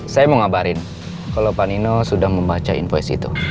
saya mau ngabarin kalau pak nino sudah membaca invoice itu